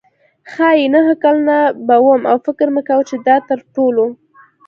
ښايي نهه کلنه به وم او فکر مې کاوه چې دا تر ټولو.